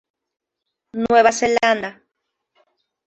Nueva Zelanda.